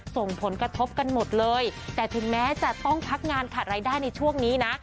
ส่งผลกระทบกันหมดเลยแต่ถึงแม้จะต้องพักงานขาดรายได้ในช่วงนี้นะ